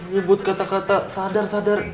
nyebut kata kata sadar sadar